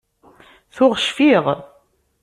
Tuɣ cfiɣ.